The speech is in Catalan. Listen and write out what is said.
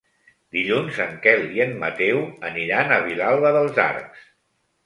Dilluns en Quel i en Mateu aniran a Vilalba dels Arcs.